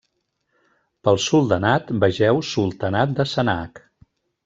Pel soldanat, vegeu Sultanat de Sanaag.